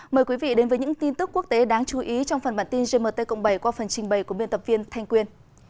mời quý vị đến với những tin tức quốc tế đáng chú ý trong phần bản tin gmt cộng bảy qua phần trình bày của biên tập viên thanh quyên